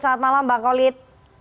selamat malam bang khalid